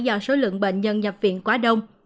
do số lượng bệnh nhân nhập viện quá đông